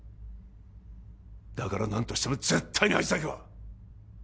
だから何としても絶対にあいつだけは